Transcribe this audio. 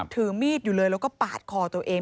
ถือมีดอยู่เลยแล้วก็ปาดคอตัวเอง